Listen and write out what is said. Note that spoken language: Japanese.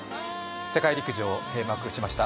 世界陸上閉幕しました。